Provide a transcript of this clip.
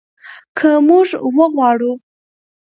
که موږ وغواړو.